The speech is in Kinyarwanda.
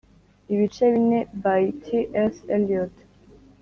"ibice bine" by t. s. eliot